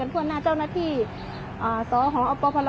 สวัสดีครับทุกคน